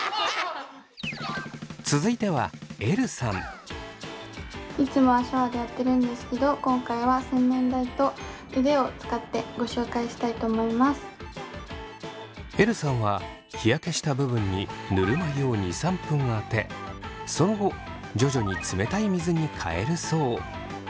続いてはいつもはシャワーでやってるんですけど今回はえるさんは日焼けした部分にぬるま湯を２３分あてその後徐々に冷たい水に変えるそう。